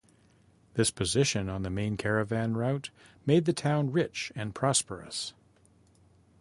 This position on the main caravan route made the town rich and prosperous.